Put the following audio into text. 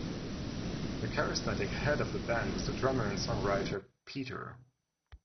The charismatic head of the band was the drummer and songwriter Peter.